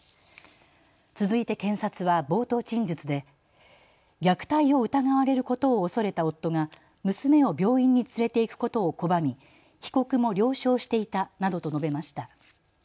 続いて検察は冒頭陳述で虐待を疑われることを恐れた夫が娘を病院に連れて行くことを拒み被告も了承していたなどと述べました。